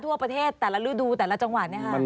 ทั่วประเทศแต่ละฤดูแต่ละจังหวัด